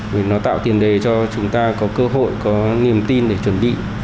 vì nó tạo tiền đề cho chúng ta có cơ hội có niềm tin để chuẩn bị